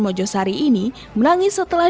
mojosari ini menangis setelah